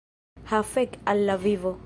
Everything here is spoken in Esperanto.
Ha fek al la vivo!